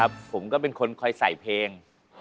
ผมก็เป็นคนคอยใส่เพลง